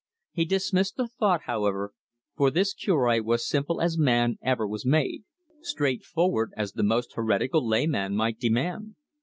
He dismissed the thought, however, for this Cure was simple as man ever was made, straightforward as the most heretical layman might demand.